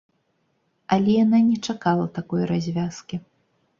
Але яна не чакала такой развязкі.